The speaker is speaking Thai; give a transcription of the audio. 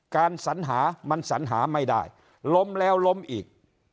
สัญหามันสัญหาไม่ได้ล้มแล้วล้มอีก